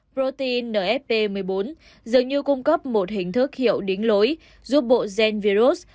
protein nfp một mươi bốn dường như cung cấp một hình thức hiệu đính lối giúp bộ gen virus